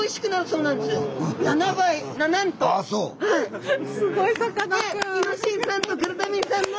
はい。